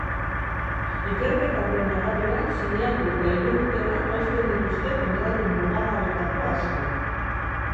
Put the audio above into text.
Ikerketa horren arabera, sinatu eta hiru urtera hausten dituzte kontratu mugagabeetako asko.